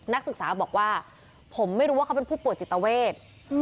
นักศึกษาบอกว่าผมไม่รู้ว่าเขาเป็นผู้ป่วยจิตเวท